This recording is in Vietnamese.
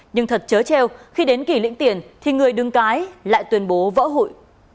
nhưng thật chớ treo khi đến kỷ lĩnh tiền thì người đương cái lại tuyên bố vỡ hụi